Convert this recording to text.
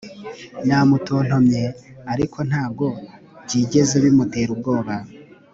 namutontomye ariko ntago byigeze bimutera ubwoba